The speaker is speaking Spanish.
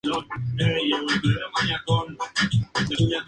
El municipio es parte de la zona urbana de Estocolmo.